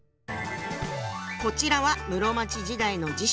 こちらは室町時代の辞書。